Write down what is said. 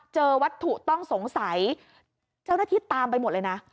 เจอวัตถุต้องสงสัยเจ้าหน้าที่ตามไปหมดเลยนะ